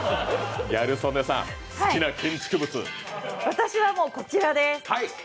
私はもう、こちらです。